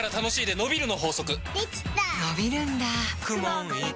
のびるんだ